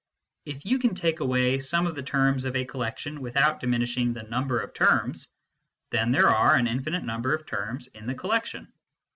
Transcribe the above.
If you can take away some of the terms of a collection, without diminishing the number of terms, then there are an infinite number of terms in the collection.